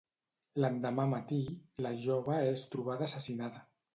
L'endemà matí, la jove és trobada assassinada.